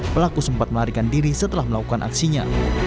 pelaku sempat melarikan diri setelah melakukan aksinya